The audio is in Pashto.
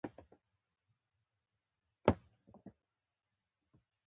د مرمرینو تیږو هر دیوال د تیر تاریخ کیسه ده.